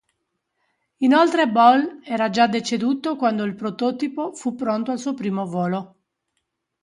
Inoltre Ball era già deceduto quando il prototipo fu pronto al suo primo volo.